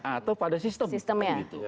atau pada sistem